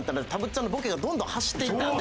ちゃんのボケがどんどん走っていったんで。